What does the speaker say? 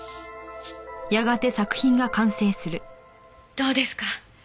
どうですか？